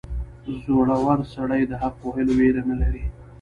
• زړور سړی د حق ویلو ویره نه لري.